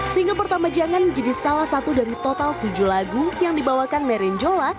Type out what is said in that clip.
single pertama jangan menjadi salah satu dari total tujuh lagu yang dibawakan marine jola